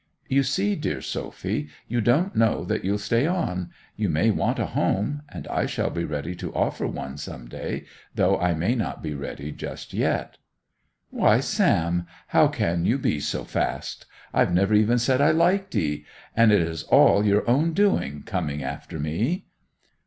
'You see, dear Sophy, you don't know that you'll stay on; you may want a home; and I shall be ready to offer one some day, though I may not be ready just yet. 'Why, Sam, how can you be so fast! I've never even said I liked 'ee; and it is all your own doing, coming after me!